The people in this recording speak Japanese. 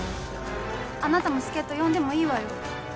あなたも助っ人呼んでもいいわよ。